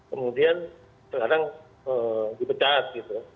kemudian sekarang dipecat gitu